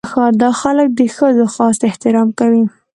دا خلک د ښځو خاص احترام کوي.